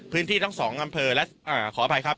พื้นที่ทั้งสองอำเภอขออภัยครับ